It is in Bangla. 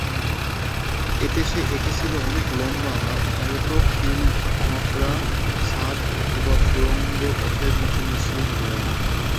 এতে সে ঐকেছিল অনেক লম্বা আর আয়ত খিলানকরা ছাদ অথবা সুড়ঙ্গপথের নিচু মসৃণ দেয়াল।